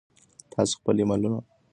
تاسو خپل ایمیلونه چیک کړئ.